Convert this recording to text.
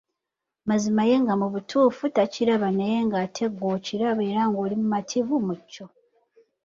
Mazima ye nga mu butuufu takiraba naye ng'ate ggwe okiraba era ng'oli mumativu mu kyo.